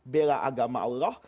bela agama allah